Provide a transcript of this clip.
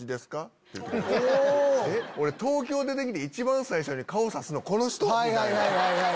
俺東京出て来て一番最初に顔指すのこの人？みたいな。